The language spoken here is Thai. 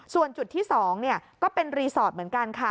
ส่วนจุดที่๒ก็เป็นรีสอร์ทเหมือนกันค่ะ